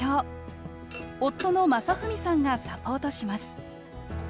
夫の正文さんがサポートします